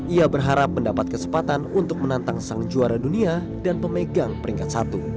ia berharap mendapat kesempatan untuk menantang sang juara dunia dan pemegang peringkat satu